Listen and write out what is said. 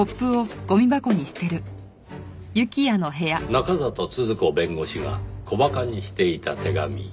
中郷都々子弁護士が小馬鹿にしていた手紙。